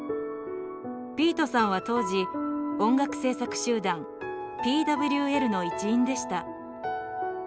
ピートさんは当時音楽制作集団ＰＷＬの一員でした。